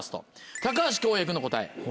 高橋恭平君の答え。